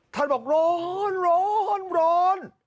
ท่านบอกร้อนร้อนร้อน